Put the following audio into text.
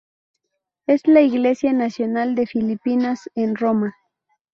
Es la iglesia nacional de Filipinas en Roma.